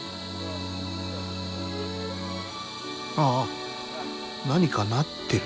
ああ何かなってる。